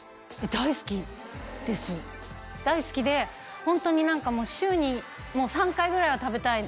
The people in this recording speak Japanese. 大好きです大好きでホントに何か週に３回ぐらいは食べたい